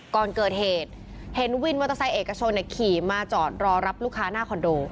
ก่อนเกิดเหตุเห็นวินมอเตอร์ไซค์เอกชนขี่มาจอดรอรับลูกค้าหน้าคอนโด